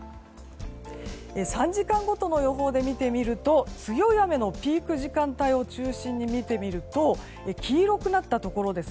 ３時間ごとの予報で見てみると強い雨のピーク時間帯を中心に見てみると黄色くなったところ